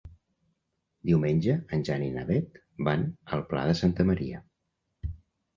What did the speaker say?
Diumenge en Jan i na Beth van al Pla de Santa Maria.